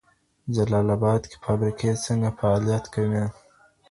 جلال اباد کي فابریکې څنګه فعالیت کوي؟